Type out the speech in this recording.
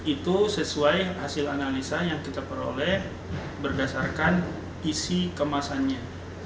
itu sesuai hasil analisa yang kita peroleh berdasarkan isi kemasannya